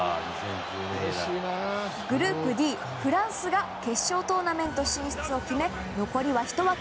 グループＤ、フランスが決勝トーナメント進出を決め残りは１枠。